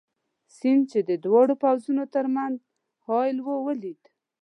سیند، چې د دواړو پوځونو تر منځ حایل وو، ولید.